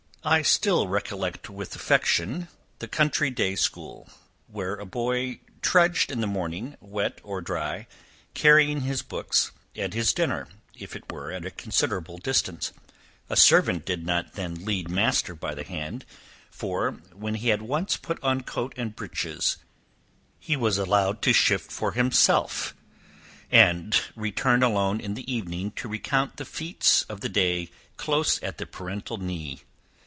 I still recollect, with pleasure, the country day school; where a boy trudged in the morning, wet or dry, carrying his books, and his dinner, if it were at a considerable distance; a servant did not then lead master by the hand, for, when he had once put on coat and breeches, he was allowed to shift for himself, and return alone in the evening to recount the feats of the day close at the parental knee.